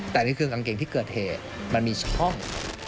แต่นี่คือกางเกงที่เกิดเหตุมันมีช่อง